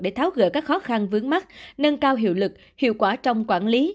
để tháo gỡ các khó khăn vướng mắt nâng cao hiệu lực hiệu quả trong quản lý